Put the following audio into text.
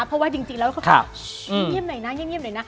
เพราะว่าจริงแล้วเขาก็เงียบหน่อยนะเงียบหน่อยนะ